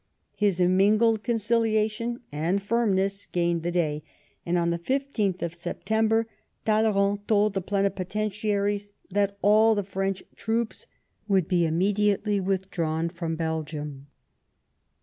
His mingled conciliation and firmness gained the day, and on the 15th of September, Talleyrand told the Plenipoten tiaries that all the French troops would be immediately withdrawn from Belgium.